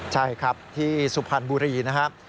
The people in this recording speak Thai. ใช่ครับที่สุพรรณบุรีนะครับ